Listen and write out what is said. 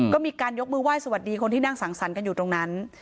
ก็มีการยกมือไหว้สวัสดีคนที่นั่งสังสรรค์กันอยู่ตรงนั้น